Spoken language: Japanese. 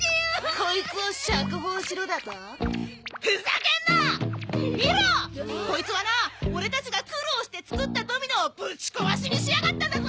コイツはなオレたちが苦労して作ったドミノをぶち壊しにしやがったんだぞ！